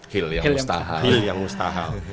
heel yang mustahal